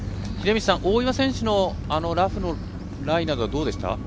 大岩選手のラフのライなどはどうでした？